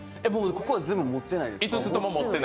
ここは全部持ってないです。